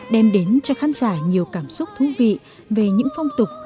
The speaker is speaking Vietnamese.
đem đến cho khán giả nhiều cảm xúc thú vị về những phong tục